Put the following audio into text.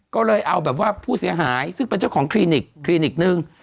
ก็เลยเอาแบบว่าผู้เสียหายซึ่งเป็นเจ้าของคลินิกคลินิกนึง